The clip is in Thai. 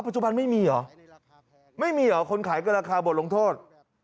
จุบันไม่มีเหรอไม่มีเหรอคนขายเกินราคาบทลงโทษ